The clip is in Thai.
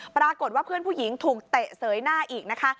ปรากฏว่าเพื่อนผู้หญิงถูกเตะเสยหน้าอีกนะคะ